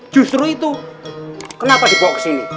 justru itu kenapa dibawa ke sini